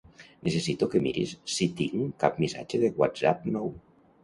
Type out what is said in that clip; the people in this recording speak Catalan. Necessito que miris si tinc cap missatge de Whatsapp nou.